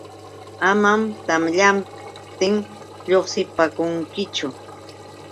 Amam tamyaptin lluqsipaakunkichu.